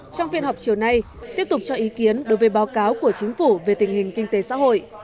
trong phiên họp chiều nay tiếp tục cho ý kiến đối với báo cáo của chính phủ về tình hình kinh tế xã hội